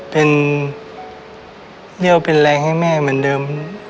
เป็นเรี่ยวเป็นแรงให้แม่เหมือนเดิม